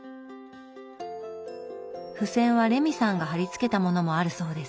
付箋はレミさんが貼り付けたものもあるそうです。